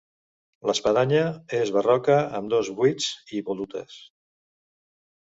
L'espadanya és barroca amb dos buits i volutes.